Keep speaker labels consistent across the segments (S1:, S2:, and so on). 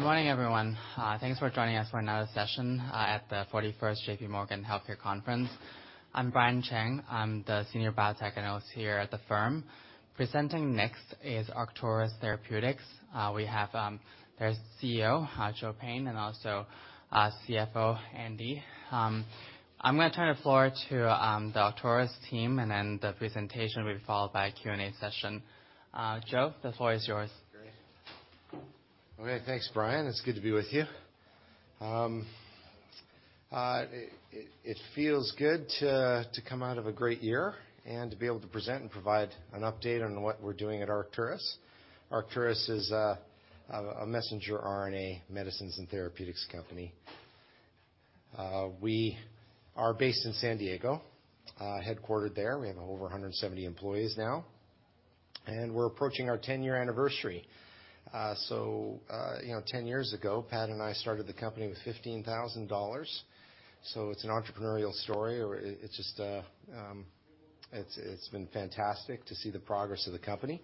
S1: Good morning, everyone. Thanks for joining us for another session at the 41st JPMorgan Healthcare Conference. I'm Brian Cheng. I'm the senior biotech analyst here at the firm. Presenting next is Arcturus Therapeutics. We have their CEO, Joe Payne, and also CFO, Andy. I'm gonna turn the floor to the Arcturus team. The presentation will be followed by a Q&A session. Joe, the floor is yours.
S2: Great. Okay, thanks, Brian. It's good to be with you. It feels good to come out of a great year and to be able to present and provide an update on what we're doing at Arcturus. Arcturus is a messenger RNA medicines and therapeutics company. We are based in San Diego, headquartered there. We have over 170 employees now, and we're approaching our 10-year anniversary. You know, 10 years ago, Pat and I started the company with $15,000, so it's an entrepreneurial story. It's just, it's been fantastic to see the progress of the company,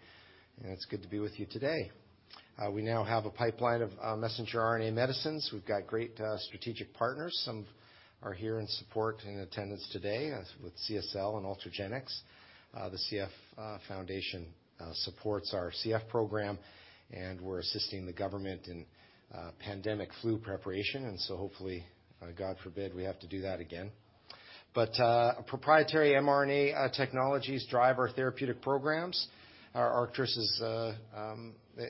S2: and it's good to be with you today. We now have a pipeline of messenger RNA medicines. We've got great strategic partners. Some are here in support in attendance today as with CSL and Ultragenyx. The CF Foundation supports our CF program, and we're assisting the government in pandemic flu preparation. Hopefully, God forbid, we have to do that again. Proprietary mRNA technologies drive our therapeutic programs. Arcturus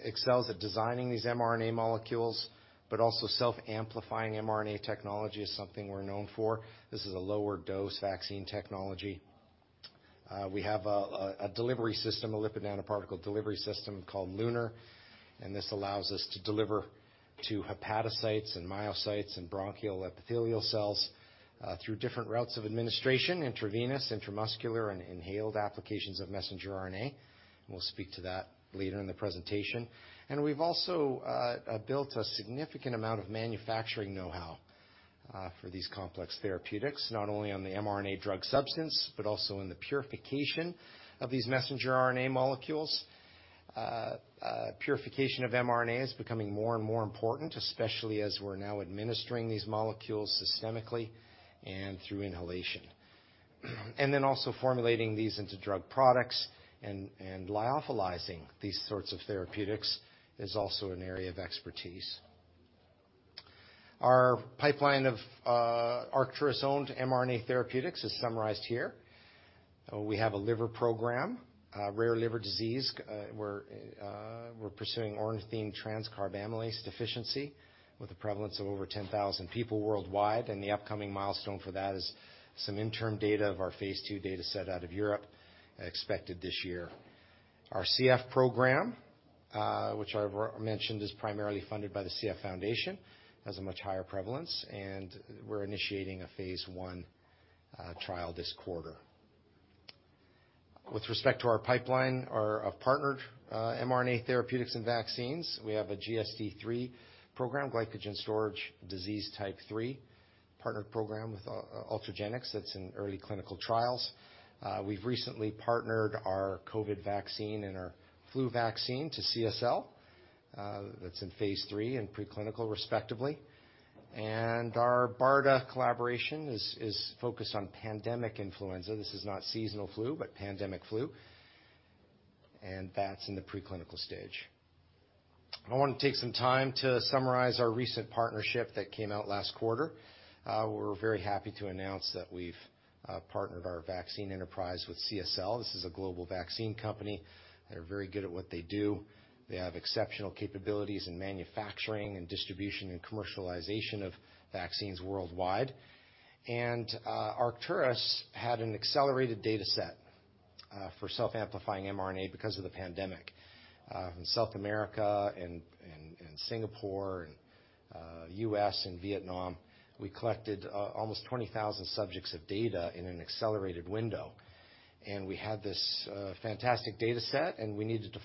S2: excels at designing these mRNA molecules, but also self-amplifying mRNA technology is something we're known for. This is a lower dose vaccine technology. We have a delivery system, a lipid nanoparticle delivery system called LUNAR, and this allows us to deliver to hepatocytes and myocytes and bronchial epithelial cells through different routes of administration, intravenous, intramuscular, and inhaled applications of messenger RNA. We'll speak to that later in the presentation. We've also built a significant amount of manufacturing know-how for these complex therapeutics, not only on the mRNA drug substance, but also in the purification of these messenger RNA molecules. Purification of mRNA is becoming more and more important, especially as we're now administering these molecules systemically and through inhalation. Also formulating these into drug products and lyophilizing these sorts of therapeutics is also an area of expertise. Our pipeline of Arcturus-owned mRNA therapeutics is summarized here. We have a liver program, rare liver disease. We're pursuing ornithine transcarbamylase deficiency with a prevalence of over 10,000 people worldwide, and the upcoming milestone for that is some interim data of our phase 2 dataset out of Europe expected this year. Our CF program, which I mentioned, is primarily funded by the CF Foundation, has a much higher prevalence, and we're initiating a phase 1 trial this quarter. With respect to our pipeline, our of partnered mRNA therapeutics and vaccines, we have a GSD 3 program, glycogen storage disease type 3, partnered program with Ultragenyx that's in early clinical trials. We've recently partnered our COVID vaccine and our flu vaccine to CSL, that's in phase 3 and preclinical respectively. Our BARDA collaboration is focused on pandemic influenza. This is not seasonal flu, but pandemic flu, that's in the preclinical stage. I wanna take some time to summarize our recent partnership that came out last quarter. We're very happy to announce that we've partnered our vaccine enterprise with CSL. This is a global vaccine company. They're very good at what they do. They have exceptional capabilities in manufacturing and distribution and commercialization of vaccines worldwide. Arcturus had an accelerated dataset for self-amplifying mRNA because of the pandemic. From South America and Singapore and U.S. and Vietnam, we collected almost 20,000 subjects of data in an accelerated window. We had this fantastic dataset, and we needed to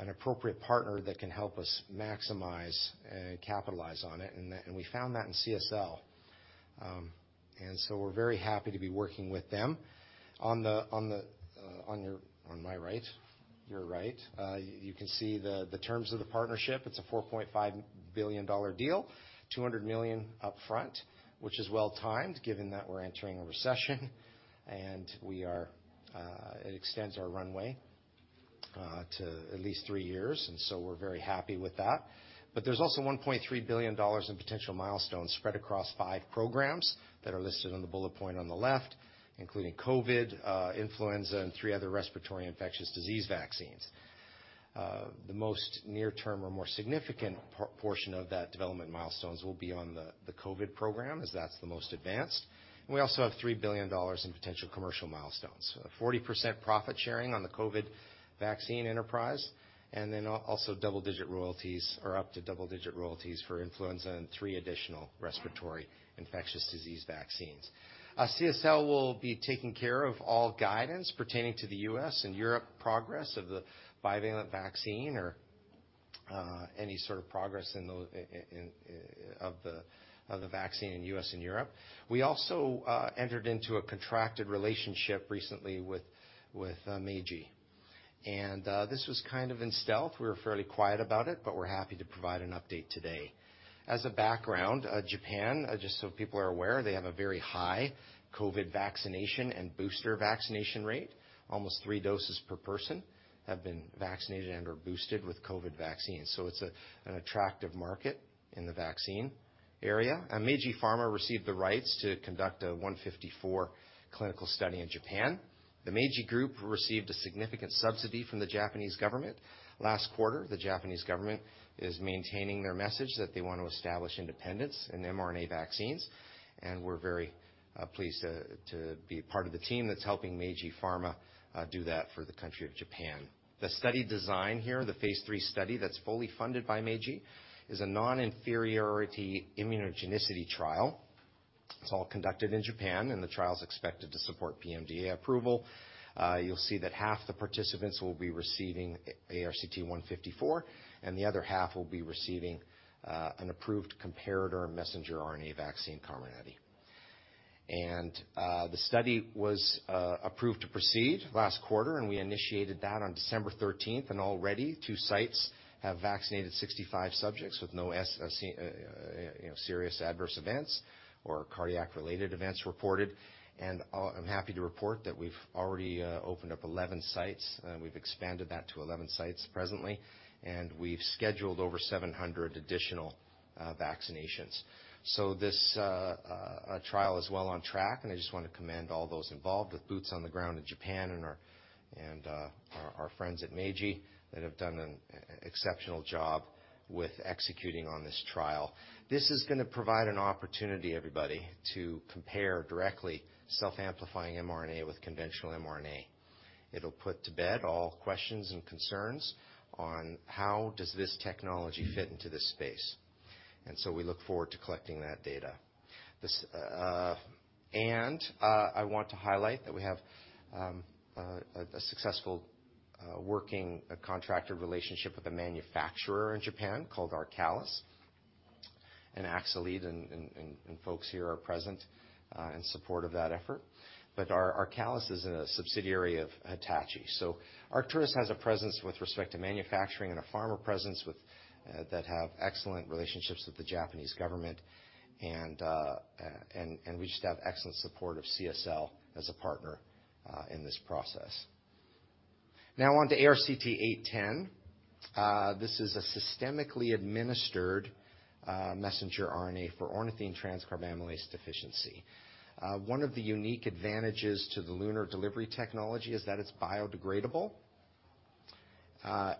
S2: find an appropriate partner that can help us maximize and capitalize on it. We found that in CSL. We're very happy to be working with them. On my right, your right, you can see the terms of the partnership. It's a $4.5 billion deal. $200 million upfront, which is well timed given that we're entering a recession, we are, it extends our runway to at least three years, we're very happy with that. There's also $1.3 billion in potential milestones spread across five programs that are listed on the bullet point on the left, including COVID, influenza, and three other respiratory infectious disease vaccines. The most near term or more significant portion of that development milestones will be on the COVID program, as that's the most advanced. We also have $3 billion in potential commercial milestones. A 40% profit sharing on the COVID vaccine enterprise and then also double-digit royalties or up to double-digit royalties for influenza and three additional respiratory infectious disease vaccines. CSL will be taking care of all guidance pertaining to the US and Europe progress of the bivalent vaccine or any sort of progress of the vaccine in US and Europe. We also entered into a contracted relationship recently with Meiji. This was kind of in stealth. We were fairly quiet about it, but we're happy to provide an update today. As a background, Japan, just so people are aware, they have a very high COVID vaccination and booster vaccination rate. Almost 3 doses per person have been vaccinated and/or boosted with COVID vaccines. It's an attractive market in the vaccine area. Meiji Pharma received the rights to conduct a 154 clinical study in Japan. The Meiji group received a significant subsidy from the Japanese government. Last quarter, the Japanese government is maintaining their message that they want to establish independence in mRNA vaccines. We're very pleased to be a part of the team that's helping Meiji Seika Pharma do that for the country of Japan. The study design here, the phase 3 study that's fully funded by Meiji Seika Pharma, is a non-inferiority immunogenicity trial. It's all conducted in Japan. The trial is expected to support PMDA approval. You'll see that half the participants will be receiving ARCT-154. The other half will be receiving an approved comparator messenger RNA vaccine Comirnaty. The study was approved to proceed last quarter, and we initiated that on December 13th, and already 2 sites have vaccinated 65 subjects with no, you know, serious adverse events or cardiac related events reported. I'm happy to report that we've already opened up 11 sites, we've expanded that to 11 sites presently, and we've scheduled over 700 additional vaccinations. This trial is well on track, and I just wanna commend all those involved with boots on the ground in Japan and our friends at Meiji that have done an exceptional job with executing on this trial. This is gonna provide an opportunity, everybody, to compare directly self-amplifying mRNA with conventional mRNA. It'll put to bed all questions and concerns on how does this technology fit into this space. We look forward to collecting that data. I want to highlight that we have a successful working contractor relationship with a manufacturer in Japan called ARCALIS. Axcelead and folks here are present in support of that effort. ARCALIS is a subsidiary of Hitachi. Arcturus has a presence with respect to manufacturing and a pharma presence with that have excellent relationships with the Japanese government, and we just have excellent support of CSL as a partner in this process. Now on to ARCT-810. This is a systemically administered messenger RNA for ornithine transcarbamylase deficiency. One of the unique advantages to the LUNAR delivery technology is that it's biodegradable.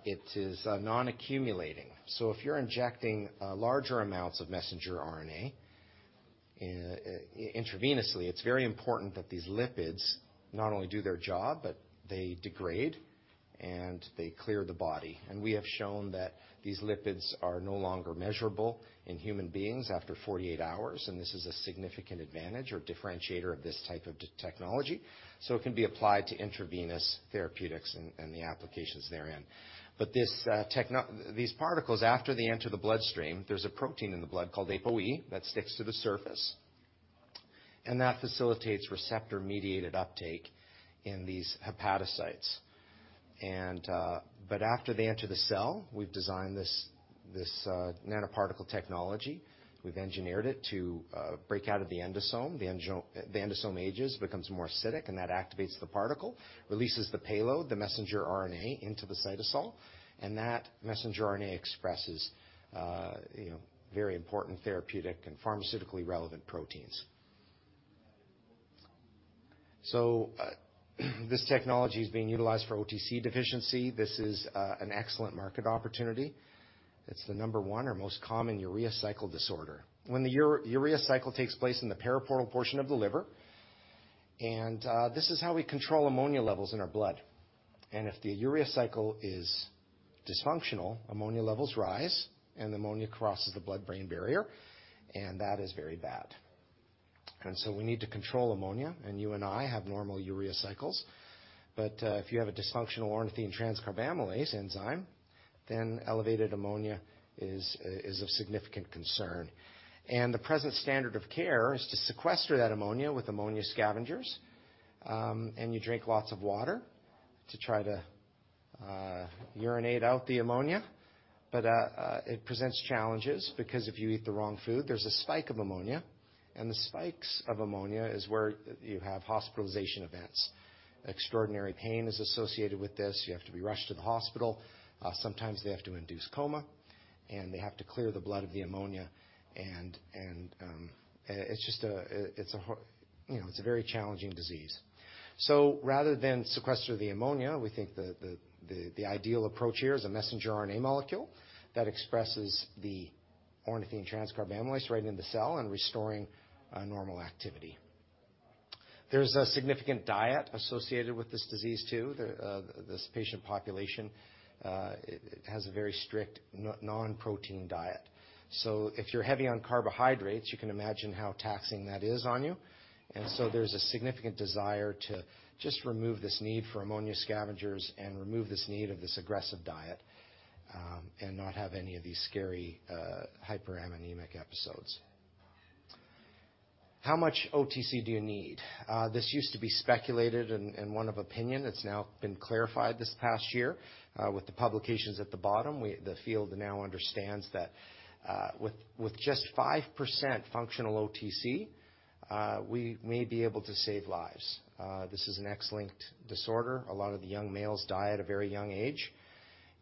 S2: It is non-accumulating. If you're injecting larger amounts of messenger RNA intravenously, it's very important that these lipids not only do their job, but they degrade and they clear the body. We have shown that these lipids are no longer measurable in human beings after 48 hours, and this is a significant advantage or differentiator of this type of technology. It can be applied to intravenous therapeutics and the applications therein. These particles, after they enter the bloodstream, there's a protein in the blood called ApoE that sticks to the surface, and that facilitates receptor-mediated uptake in these hepatocytes. After they enter the cell, we've designed this nanoparticle technology. We've engineered it to break out of the endosome. The endosome ages, becomes more acidic, and that activates the particle, releases the payload, the messenger RNA, into the cytosol, and that messenger RNA expresses, you know, very important therapeutic and pharmaceutically relevant proteins. This technology is being utilized for OTC deficiency. This is an excellent market opportunity. It's the number 1 or most common urea cycle disorder. When the urea cycle takes place in the periportal portion of the liver, and this is how we control ammonia levels in our blood. If the urea cycle is dysfunctional, ammonia levels rise, and the ammonia crosses the blood-brain barrier, and that is very bad. We need to control ammonia, and you and I have normal urea cycles. If you have a dysfunctional ornithine transcarbamylase enzyme, then elevated ammonia is of significant concern. The present standard of care is to sequester that ammonia with ammonia scavengers, and you drink lots of water to try to urinate out the ammonia. It presents challenges because if you eat the wrong food, there's a spike of ammonia, and the spikes of ammonia is where you have hospitalization events. Extraordinary pain is associated with this. You have to be rushed to the hospital. Sometimes they have to induce coma, and they have to clear the blood of the ammonia, it's just a, you know, it's a very challenging disease. Rather than sequester the ammonia, we think the ideal approach here is a messenger RNA molecule that expresses the ornithine transcarbamylase right into the cell and restoring normal activity. There's a significant diet associated with this disease too. This patient population, it has a very strict no-non-protein diet. If you're heavy on carbohydrates, you can imagine how taxing that is on you. There's a significant desire to just remove this need for ammonia scavengers and remove this need of this aggressive diet, and not have any of these scary hyperammonemic episodes. How much OTC do you need? This used to be speculated and one of opinion. It's now been clarified this past year with the publications at the bottom. The field now understands that with just 5% functional OTC, we may be able to save lives. This is an X-linked disorder. A lot of the young males die at a very young age,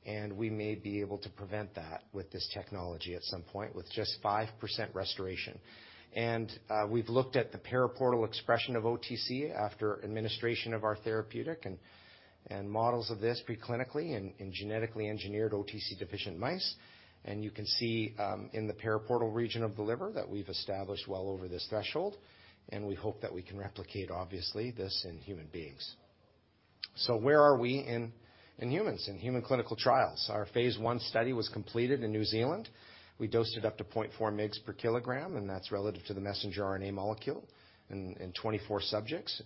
S2: and we may be able to prevent that with this technology at some point with just 5% restoration. We've looked at the periportal expression of OTC after administration of our therapeutic and models of this preclinically in genetically engineered OTC deficient mice. You can see, in the periportal region of the liver that we've established well over this threshold, and we hope that we can replicate, obviously, this in human beings. Where are we in humans, in human clinical trials? Our phase 1 study was completed in New Zealand. We dosed it up to 0.4 mgs per kilogram, and that's relative to the messenger RNA molecule in 24 subjects.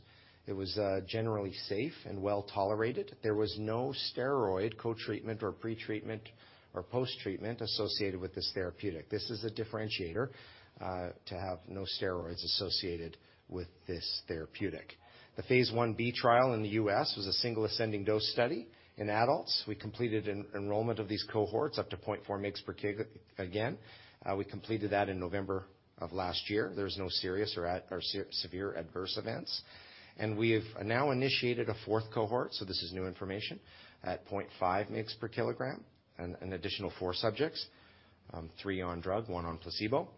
S2: It was generally safe and well-tolerated. There was no steroid co-treatment or pre-treatment or post-treatment associated with this therapeutic. This is a differentiator to have no steroids associated with this therapeutic. The phase 1B trial in the U.S. was a single ascending dose study in adults. We completed enrollment of these cohorts up to 0.4 mgs per kilo, again. We completed that in November of last year. There's no serious or severe adverse events. We have now initiated a 4th cohort, so this is new information, at 0.5 mgs per kilogram, an additional 4 subjects, 3 on drug, 1 on placebo.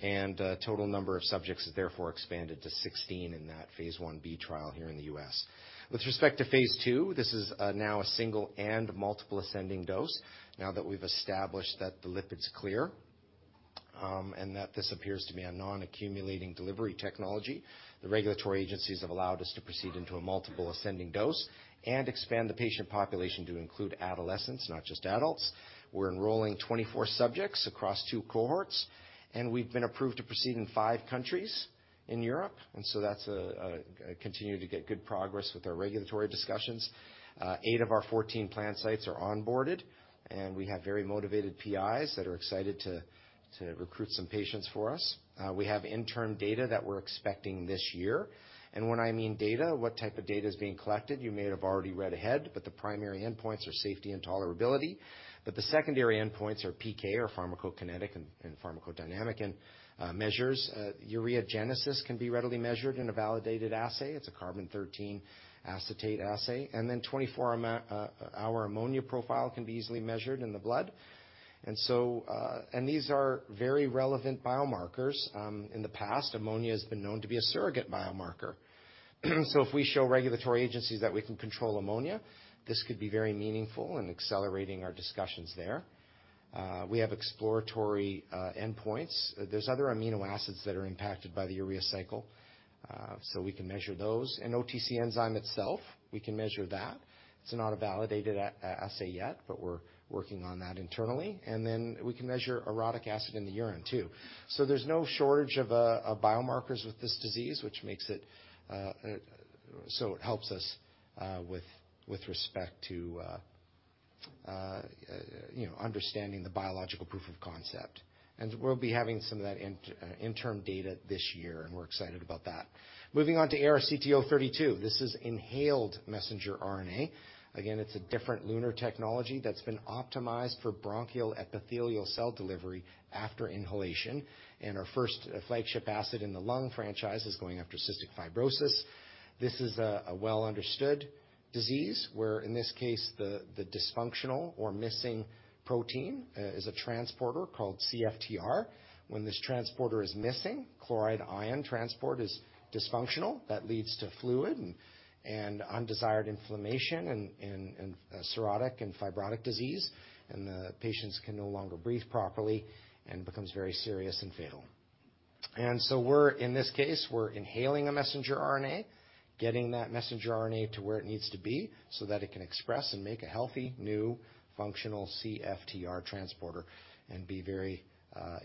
S2: Total number of subjects is therefore expanded to 16 in that Phase 1B trial here in the U.S. With respect to Phase 2, this is now a single and multiple ascending dose now that we've established that the lipid's clear and that this appears to be a non-accumulating delivery technology. The regulatory agencies have allowed us to proceed into a multiple ascending dose and expand the patient population to include adolescents, not just adults. We're enrolling 24 subjects across 2 cohorts, we've been approved to proceed in 5 countries in Europe. That's continue to get good progress with our regulatory discussions. 8 of our 14 planned sites are onboarded, and we have very motivated PIs that are excited to recruit some patients for us. We have interim data that we're expecting this year. When I mean data, what type of data is being collected, you may have already read ahead, but the primary endpoints are safety and tolerability, but the secondary endpoints are PK or pharmacokinetic and pharmacodynamic measures. Ureagenesis can be readily measured in a validated assay. It's a carbon-thirteen acetate assay. 24-hour ammonia profile can be easily measured in the blood. These are very relevant biomarkers. In the past, ammonia has been known to be a surrogate biomarker. If we show regulatory agencies that we can control ammonia, this could be very meaningful in accelerating our discussions there. We have exploratory endpoints. There's other amino acids that are impacted by the urea cycle, so we can measure those. OTC enzyme itself, we can measure that. It's not a validated assay yet, but we're working on that internally. We can measure orotic acid in the urine too. There's no shortage of biomarkers with this disease, which makes it. It helps us with respect to, you know, understanding the biological proof of concept. We'll be having some of that interim data this year, and we're excited about that. Moving on to ARCT-032. This is inhaled messenger RNA. It's a different LUNAR technology that's been optimized for bronchial epithelial cell delivery after inhalation. Our first flagship asset in the lung franchise is going after cystic fibrosis. This is a well-understood disease where, in this case, the dysfunctional or missing protein is a transporter called CFTR. When this transporter is missing, chloride ion transport is dysfunctional. That leads to fluid and undesired inflammation and cirrhotic and fibrotic disease, and the patients can no longer breathe properly and becomes very serious and fatal. So we're, in this case, we're inhaling a messenger RNA, getting that messenger RNA to where it needs to be so that it can express and make a healthy, new, functional CFTR transporter and be very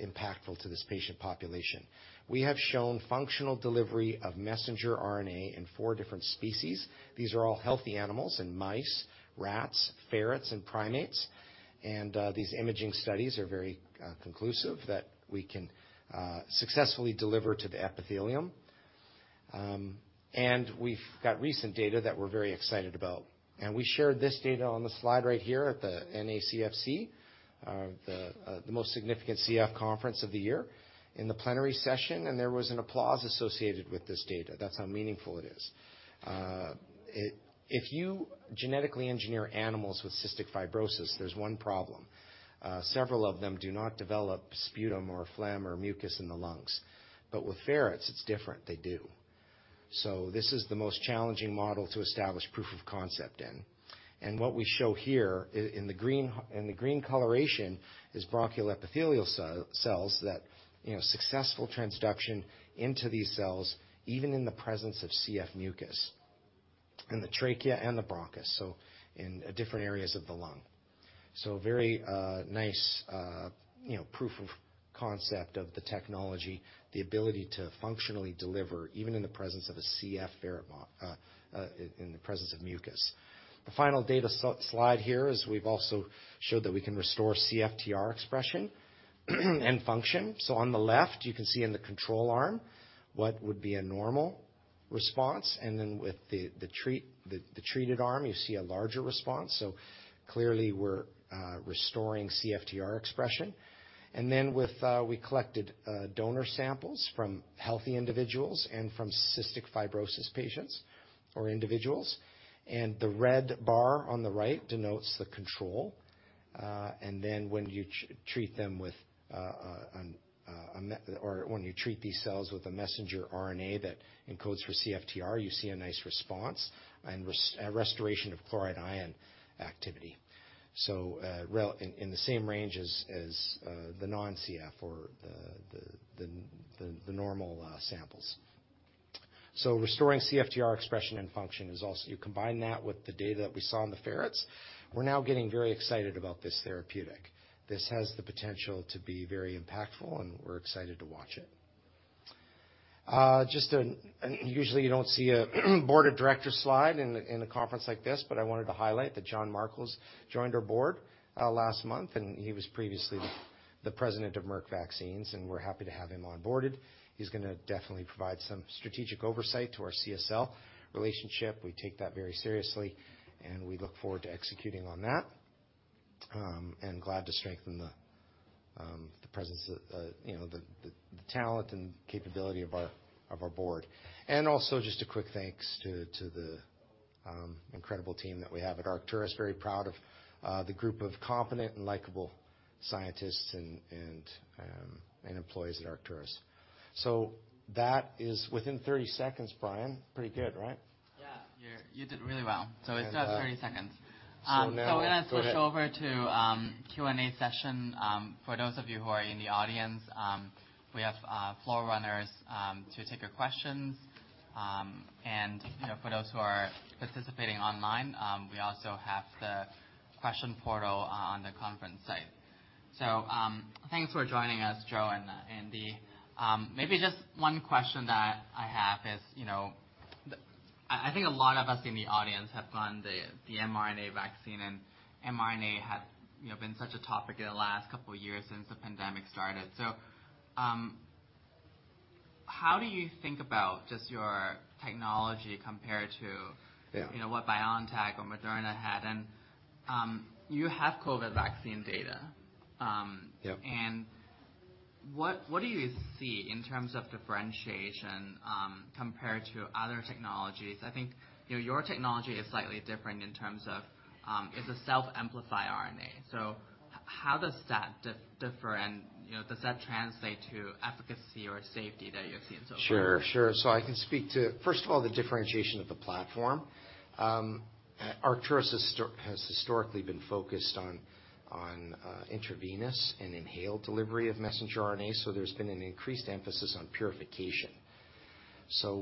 S2: impactful to this patient population. We have shown functional delivery of messenger RNA in four different species. These are all healthy animals in mice, rats, ferrets, and primates. These imaging studies are very conclusive that we can successfully deliver to the epithelium. We've got recent data that we're very excited about. We shared this data on the slide right here at the NACFC, the most significant CF conference of the year, in the plenary session, and there was an applause associated with this data. That's how meaningful it is. If you genetically engineer animals with cystic fibrosis, there's one problem. Several of them do not develop sputum or phlegm or mucus in the lungs. With ferrets, it's different. They do. This is the most challenging model to establish proof of concept in. What we show here in the green, in the green coloration is bronchial epithelial cells that, you know, successful transduction into these cells, even in the presence of CF mucus, in the trachea and the bronchus, so in different areas of the lung. Very nice, you know, proof of concept of the technology, the ability to functionally deliver even in the presence of a CF in the presence of mucus. The final data slide here is we've also showed that we can restore CFTR expression and function. On the left, you can see in the control arm what would be a normal response. Then with the treated arm, you see a larger response. Clearly we're restoring CFTR expression. With, we collected donor samples from healthy individuals and from cystic fibrosis patients or individuals. The red bar on the right denotes the control. When you treat them or when you treat these cells with a messenger RNA that encodes for CFTR, you see a nice response and restoration of chloride ion activity. In the same range as the non-CF or the normal samples. Restoring CFTR expression and function is also. You combine that with the data that we saw in the ferrets, we're now getting very excited about this therapeutic. This has the potential to be very impactful, and we're excited to watch it. Just an. Usually you don't see a board of directors slide in a, in a conference like this. I wanted to highlight that John Markels joined our board last month. He was previously the President of Merck Vaccines. We're happy to have him on board. He's gonna definitely provide some strategic oversight to our CSL relationship. We take that very seriously. We look forward to executing on that. Glad to strengthen the presence, you know, the talent and capability of our board. Also, just a quick thanks to the incredible team that we have at Arcturus. Very proud of the group of competent and likable scientists and employees at Arcturus. That is within 30 seconds, Brian. Pretty good, right?
S1: Yeah. You did really well.
S2: And, uh-
S1: It's just 30 seconds.
S2: Now go ahead.
S1: We're gonna switch over to Q&A session. For those of you who are in the audience, we have floor runners to take your questions. You know, for those who are participating online, we also have the question portal on the conference site. Thanks for joining us, Joe and Dee. Maybe just one question that I have is, you know, I think a lot of us in the audience have gone the mRNA vaccine, and mRNA had, you know, been such a topic in the last couple of years since the pandemic started. How do you think about just your technology compared to
S2: Yeah...
S1: you know, what BioNTech or Moderna had? You have COVID vaccine data.
S2: Yeah
S1: What do you see in terms of differentiation compared to other technologies? I think, you know, your technology is slightly different in terms of, it's a self-amplifying mRNA. How does that differ? You know, does that translate to efficacy or safety that you've seen so far?
S2: Sure, sure. I can speak to, first of all, the differentiation of the platform. Arcturus has historically been focused on intravenous and inhaled delivery of messenger RNA, so there's been an increased emphasis on purification.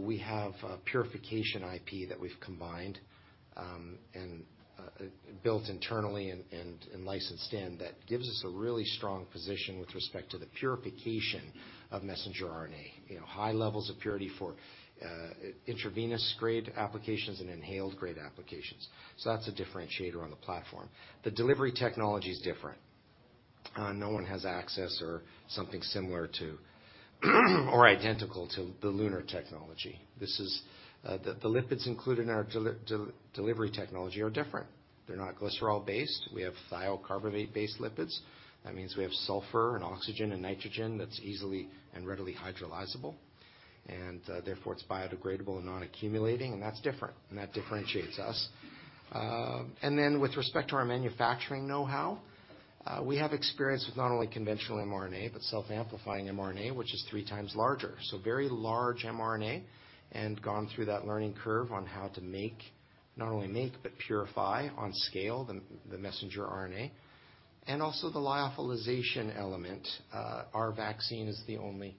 S2: We have a purification IP that we've combined, built internally and licensed in that gives us a really strong position with respect to the purification of messenger RNA. You know, high levels of purity for intravenous grade applications and inhaled grade applications. That's a differentiator on the platform. The delivery technology is different. No one has access or something similar to or identical to the LUNAR technology. This is the lipids included in our delivery technology are different. They're not glycerol-based. We have thiocarboxylate-based lipids. That means we have sulfur and oxygen and nitrogen that's easily and readily hydrolyzable. Therefore it's biodegradable and non-accumulating, and that's different, and that differentiates us. With respect to our manufacturing know-how, we have experience with not only conventional mRNA, but self-amplifying mRNA, which is 3 times larger. Very large mRNA, gone through that learning curve on how to not only make, but purify on scale the messenger RNA. Also the lyophilization element. Our vaccine is the only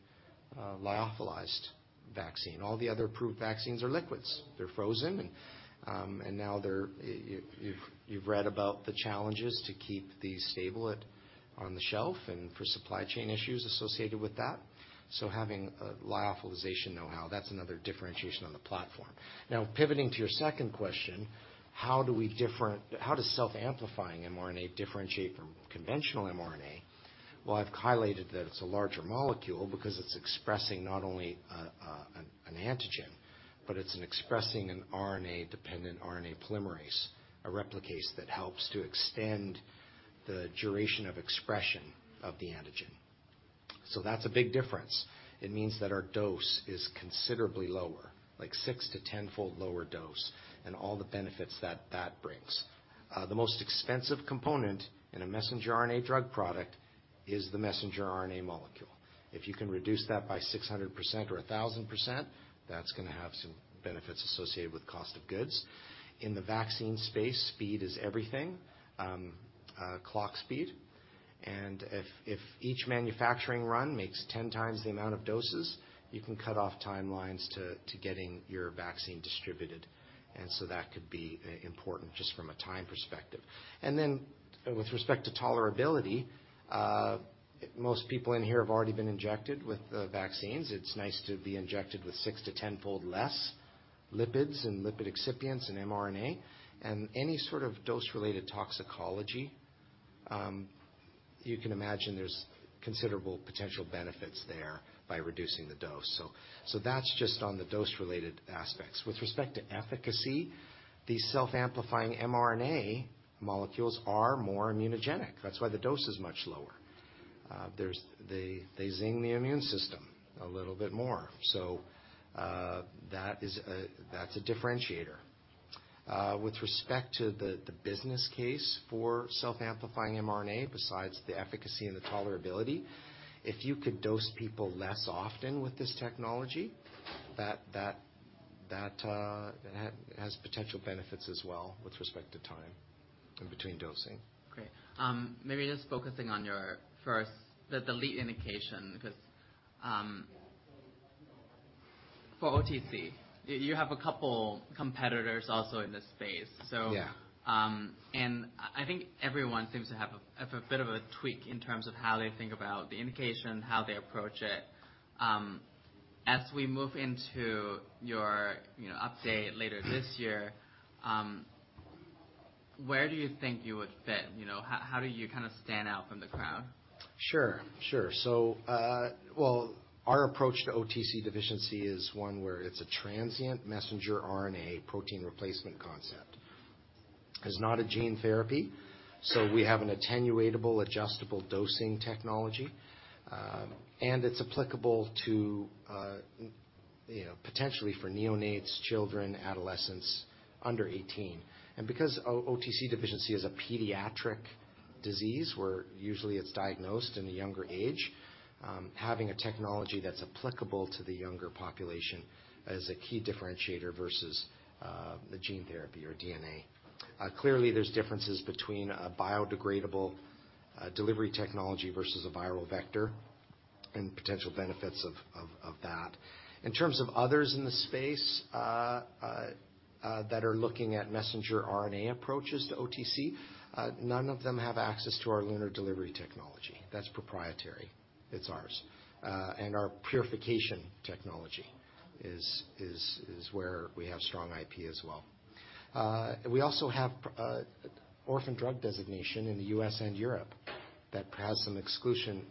S2: lyophilized vaccine. All the other approved vaccines are liquids. They're frozen, you've read about the challenges to keep these stable on the shelf and for supply chain issues associated with that. Having a lyophilization know-how, that's another differentiation on the platform. Pivoting to your second question, how does self-amplifying mRNA differentiate from conventional mRNA? Well, I've highlighted that it's a larger molecule because it's expressing not only an antigen, but it's expressing an RNA-dependent RNA polymerase, a replicase that helps to extend the duration of expression of the antigen. That's a big difference. It means that our dose is considerably lower, like 6-10 fold lower dose, and all the benefits that that brings. The most expensive component in a messenger RNA drug product is the messenger RNA molecule. If you can reduce that by 600% or 1,000%, that's gonna have some benefits associated with cost of goods. In the vaccine space, speed is everything, clock speed. If each manufacturing run makes 10 times the amount of doses, you can cut off timelines to getting your vaccine distributed. That could be important just from a time perspective. With respect to tolerability, most people in here have already been injected with vaccines. It's nice to be injected with 6 to 10-fold less lipids and lipid excipients in mRNA. Any sort of dose-related toxicology. You can imagine there's considerable potential benefits there by reducing the dose. That's just on the dose-related aspects. With respect to efficacy, the self-amplifying mRNA molecules are more immunogenic. That's why the dose is much lower. They zing the immune system a little bit more. That is a differentiator. With respect to the business case for self-amplifying mRNA, besides the efficacy and the tolerability, if you could dose people less often with this technology, that has potential benefits as well with respect to time in between dosing.
S1: Great. Maybe just focusing on the lead indication, because, for OTC, you have a couple competitors also in this space.
S2: Yeah.
S1: I think everyone seems to have a, have a bit of a tweak in terms of how they think about the indication, how they approach it. As we move into your, you know, update later this year, where do you think you would fit, you know? How, how do you kind of stand out from the crowd?
S2: Sure. Sure. Well, our approach to OTC deficiency is one where it's a transient messenger RNA protein replacement concept. It's not a gene therapy. We have an attenuatable adjustable dosing technology, and it's applicable to, you know, potentially for neonates, children, adolescents under 18. Because OTC deficiency is a pediatric disease where usually it's diagnosed in a younger age, having a technology that's applicable to the younger population is a key differentiator versus the gene therapy or DNA. Clearly there's differences between a biodegradable delivery technology versus a viral vector and potential benefits of that. In terms of others in the space that are looking at messenger RNA approaches to OTC, none of them have access to our LUNAR delivery technology. That's proprietary. It's ours. And our purification technology is where we have strong IP as well. We also have Orphan Drug Designation in the U.S. and Europe that has some exclusion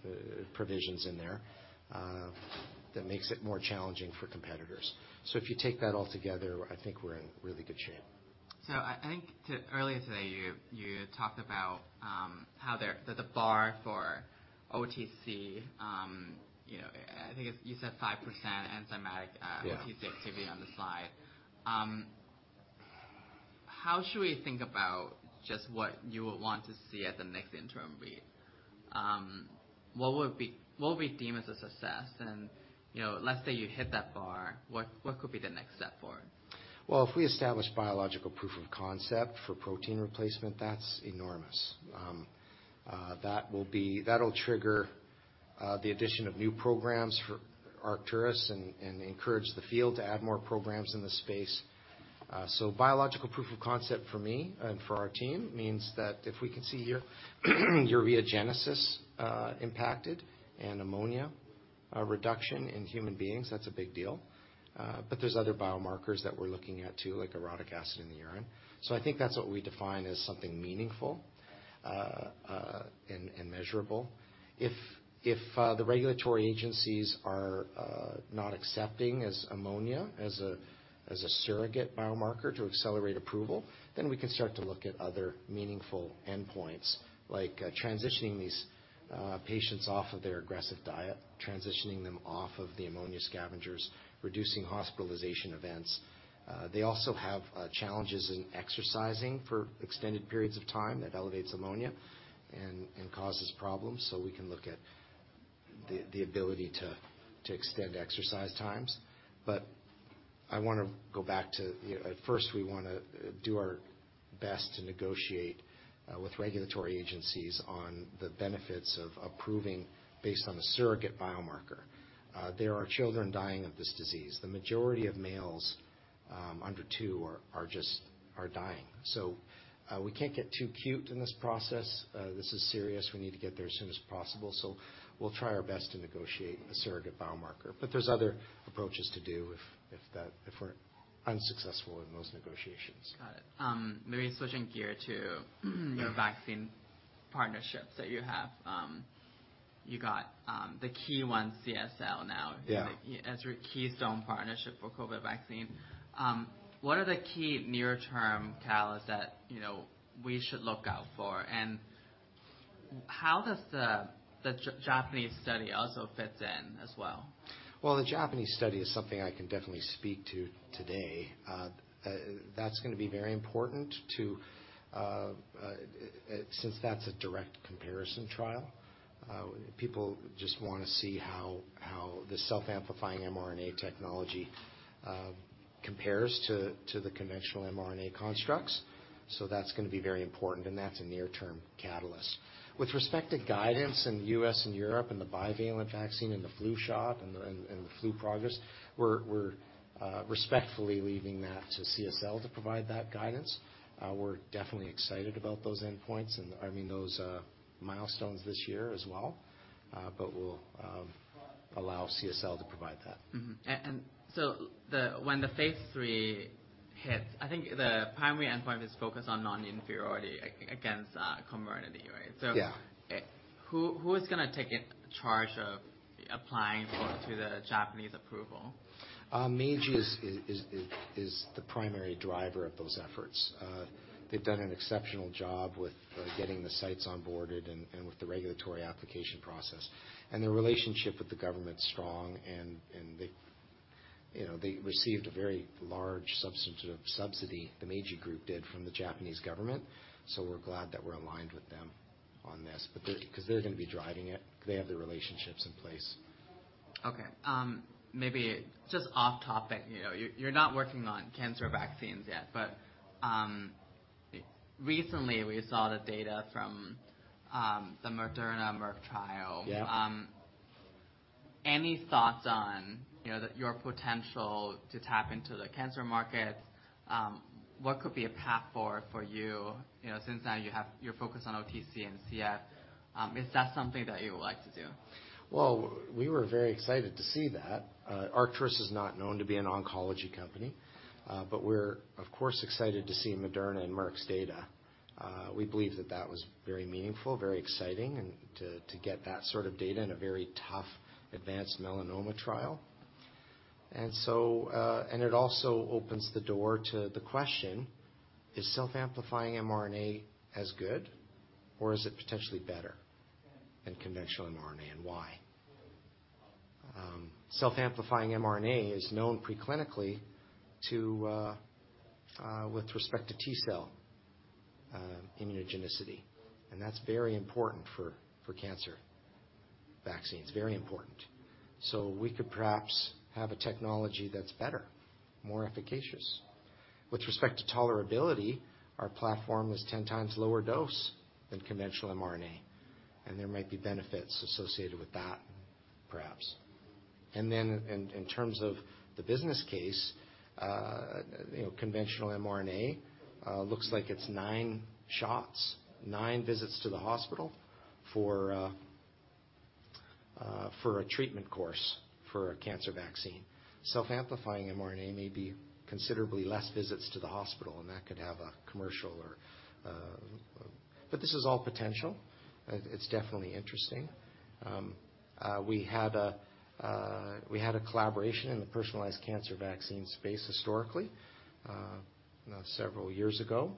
S2: provisions in there that makes it more challenging for competitors. If you take that all together, I think we're in really good shape.
S1: Earlier today, you talked about how the bar for OTC, you know, you said 5% enzymatic.
S2: Yeah
S1: OTC activity on the slide. How should we think about just what you would want to see at the next interim read? What we deem as a success and, you know, let's say you hit that bar, what could be the next step forward?
S2: Well, if we establish biological proof of concept for protein replacement, that's enormous. That'll trigger the addition of new programs for Arcturus and encourage the field to add more programs in the space. Biological proof of concept for me and for our team means that if we can see ureagenesis impacted and ammonia reduction in human beings, that's a big deal. There's other biomarkers that we're looking at too, like orotic acid in the urine. I think that's what we define as something meaningful and measurable. If the regulatory agencies are not accepting ammonia as a surrogate biomarker to accelerate approval, then we can start to look at other meaningful endpoints, like transitioning these patients off of their aggressive diet, transitioning them off of the ammonia scavengers, reducing hospitalization events. They also have challenges in exercising for extended periods of time that elevates ammonia and causes problems. We can look at the ability to extend exercise times. I wanna go back to. You know, at first we wanna do our best to negotiate with regulatory agencies on the benefits of approving based on a surrogate biomarker. There are children dying of this disease. The majority of males, under 2 are just dying. We can't get too cute in this process. This is serious. We need to get there as soon as possible. We'll try our best to negotiate a surrogate biomarker. There's other approaches to do if we're unsuccessful in those negotiations.
S1: Got it. maybe switching gear.
S2: Yeah...
S1: your vaccine partnerships that you have. You got the key one CSL now.
S2: Yeah.
S1: As your keystone partnership for COVID vaccine. What are the key near-term catalysts that, you know, we should look out for? How does the Japanese study also fits in as well?
S2: The Japanese study is something I can definitely speak to today. That's gonna be very important since that's a direct comparison trial. People just wanna see how the self-amplifying mRNA technology compares to the conventional mRNA constructs. That's gonna be very important, and that's a near-term catalyst. With respect to guidance in the U.S. and Europe and the bivalent vaccine and the flu shot and the flu progress, we're respectfully leaving that to CSL to provide that guidance. We're definitely excited about those endpoints and I mean, those milestones this year as well. We'll allow CSL to provide that.
S1: Mm-hmm. I think the primary endpoint is focused on non-inferiority against Comirnaty, right?
S2: Yeah.
S1: Who is gonna take in charge of applying for to the Japanese approval?
S2: Meiji is the primary driver of those efforts. They've done an exceptional job with getting the sites onboarded and with the regulatory application process. Their relationship with the government's strong and they, you know, they received a very large sort of subsidy, the Meiji group did, from the Japanese government. We're glad that we're aligned with them on this. 'Cause they're gonna be driving it. They have the relationships in place.
S1: Okay. Maybe just off topic, you know, you're not working on cancer vaccines yet, but recently we saw the data from the Moderna Merck trial.
S2: Yeah.
S1: Any thoughts on, you know, Your potential to tap into the cancer market? What could be a path for you know, since now You're focused on OTC and CF. Is that something that you would like to do?
S2: We were very excited to see that. Arcturus is not known to be an oncology company. We're, of course, excited to see Moderna and Merck's data. We believe that that was very meaningful, very exciting and to get that sort of data in a very tough advanced melanoma trial. It also opens the door to the question, is self-amplifying mRNA as good, or is it potentially better than conventional mRNA, and why? Self-amplifying mRNA is known preclinically to with respect to T-cell immunogenicity, and that's very important for cancer vaccines. Very important. We could perhaps have a technology that's better, more efficacious. With respect to tolerability, our platform is 10 times lower dose than conventional mRNA, and there might be benefits associated with that, perhaps. In terms of the business case, you know, conventional mRNA looks like it's 9 shots, 9 visits to the hospital for a treatment course for a cancer vaccine. Self-amplifying mRNA may be considerably less visits to the hospital, and that could have a commercial or. This is all potential. It's definitely interesting. We had a collaboration in the personalized cancer vaccine space historically, you know, several years ago.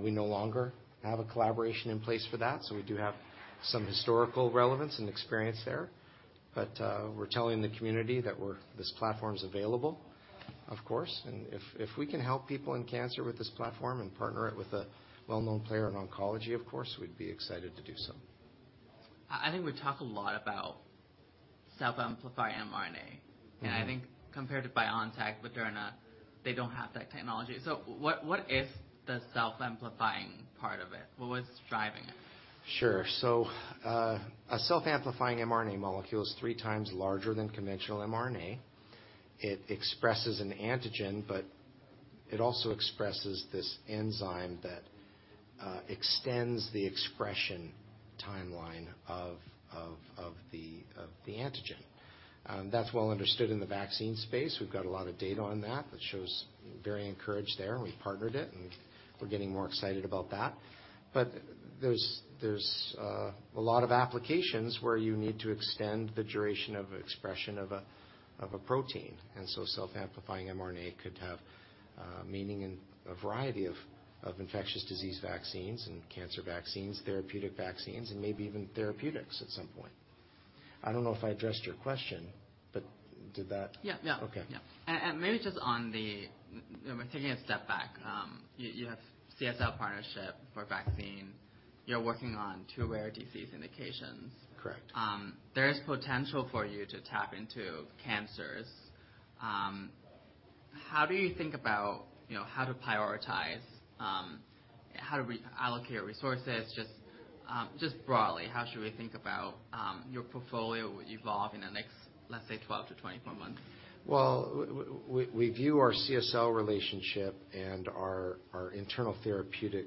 S2: We no longer have a collaboration in place for that, so we do have some historical relevance and experience there. We're telling the community that this platform's available, of course. If we can help people in cancer with this platform and partner it with a well-known player in oncology, of course, we'd be excited to do so.
S1: I think we talk a lot about self-amplifying mRNA.
S2: Mm-hmm.
S1: I think compared to BioNTech, Moderna, they don't have that technology. What is the self-amplifying part of it? What's driving it?
S2: Sure. A self-amplifying mRNA molecule is 3 times larger than conventional mRNA. It expresses an antigen, but it also expresses this enzyme that extends the expression timeline of the antigen. That's well understood in the vaccine space. We've got a lot of data on that, which shows very encouraged there, and we've partnered it, and we're getting more excited about that. There's a lot of applications where you need to extend the duration of expression of a protein. Self-amplifying mRNA could have meaning in a variety of infectious disease vaccines and cancer vaccines, therapeutic vaccines, and maybe even therapeutics at some point. I don't know if I addressed your question, but did that-
S1: Yeah. Yeah.
S2: Okay.
S1: Yeah. Taking a step back, you have CSL partnership for vaccine. You're working on two rare disease indications.
S2: Correct.
S1: There is potential for you to tap into cancers. How do you think about, you know, how to prioritize, how to allocate resources? Just broadly, how should we think about your portfolio evolve in the next, let's say, 12 to 24 months?
S2: Well, we view our CSL relationship and our internal therapeutic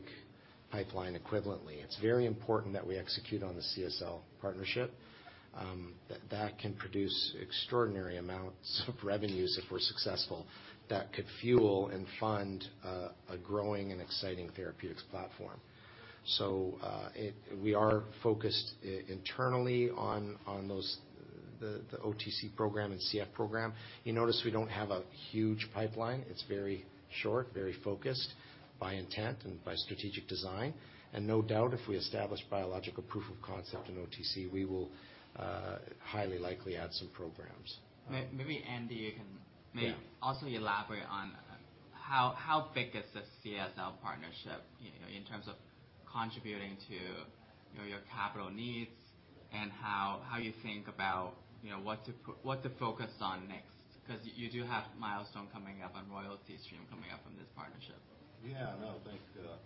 S2: pipeline equivalently. It's very important that we execute on the CSL partnership, that can produce extraordinary amounts of revenues if we're successful, that could fuel and fund a growing and exciting therapeutics platform. We are focused internally on those, the OTC program and CF program. You notice we don't have a huge pipeline. It's very short, very focused by intent and by strategic design. No doubt, if we establish biological proof of concept in OTC, we will highly likely add some programs.
S1: Maybe, Andy, you can.
S2: Yeah.
S1: -also elaborate on how big is the CSL partnership, you know, in terms of contributing to, you know, your capital needs and how you think about, you know, what to focus on next? 'Cause you do have milestone coming up and royalty stream coming up from this partnership.
S3: Yeah. No,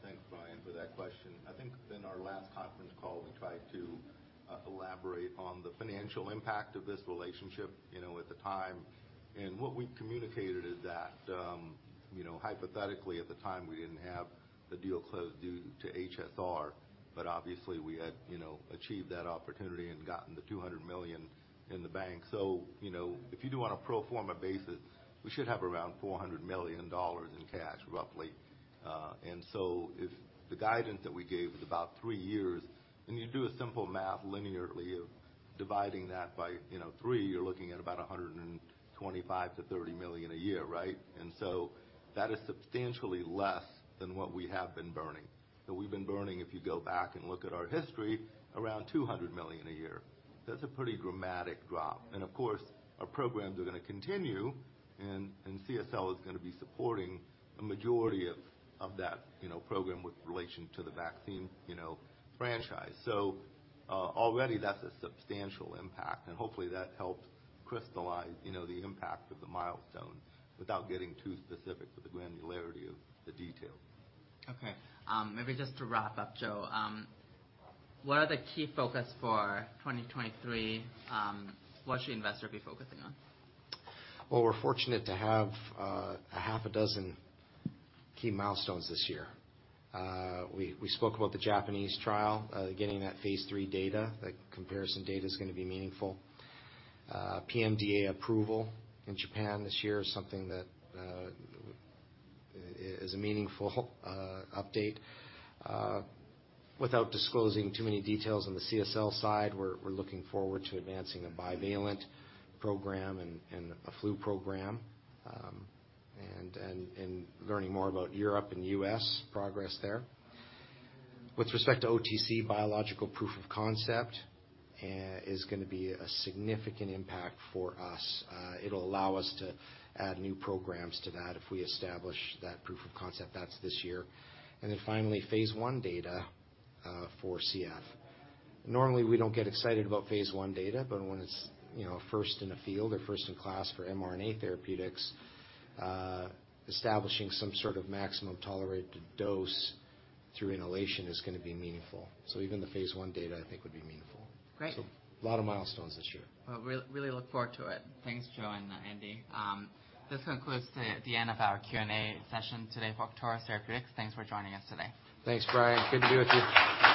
S3: thanks, Brian, for that question. I think in our last conference call, we tried to elaborate on the financial impact of this relationship, you know, at the time. What we communicated is that, you know, hypothetically at the time, we didn't have the deal closed due to HSR, but obviously, we had, you know, achieved that opportunity and gotten the $200 million in the bank. You know, if you do it on a pro forma basis, we should have around $400 million in cash roughly. If the guidance that we gave is about 3 years, and you do a simple math linearly of dividing that by, you know, 3, you're looking at about $125 million-$130 million a year, right? That is substantially less than what we have been burning. That we've been burning, if you go back and look at our history, around $200 million a year. That's a pretty dramatic drop. Of course, our programs are gonna continue, and CSL is gonna be supporting a majority of that, you know, program with relation to the vaccine, you know, franchise. Already that's a substantial impact, and hopefully, that helps crystallize, you know, the impact of the milestone without getting too specific with the granularity of the detail.
S1: Maybe just to wrap up, Joe, what are the key focus for 2023? What should investors be focusing on?
S2: Well, we're fortunate to have 6 key milestones this year. We spoke about the Japanese trial, getting that phase 3 data. That comparison data is gonna be meaningful. PMDA approval in Japan this year is something that is a meaningful update. Without disclosing too many details on the CSL side, we're looking forward to advancing a bivalent program and a flu program, and learning more about Europe and U.S. progress there. With respect to OTC, biological proof of concept is gonna be a significant impact for us. It'll allow us to add new programs to that if we establish that proof of concept. That's this year. Finally, phase 1 data for CF. Normally, we don't get excited about phase I data, but when it's, you know, first in the field or first in class for mRNA therapeutics, establishing some sort of maximum tolerated dose through inhalation is gonna be meaningful. Even the phase I data I think would be meaningful.
S1: Great.
S2: A lot of milestones this year.
S1: Well, really look forward to it. Thanks, Joe and Andy. This concludes the end of our Q&A session today for Arcturus Therapeutics. Thanks for joining us today.
S2: Thanks, Brian. Good to be with you.